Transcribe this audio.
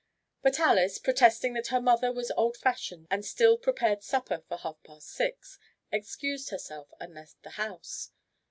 But Alys, protesting that her mother was old fashioned and still prepared supper for half past six, excused herself and left the house.